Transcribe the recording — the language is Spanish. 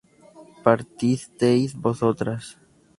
¿partisteis vosotras?